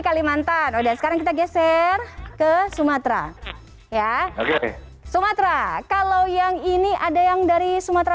kalimantan udah sekarang kita geser ke sumatera ya sumatera kalau yang ini ada yang dari sumatera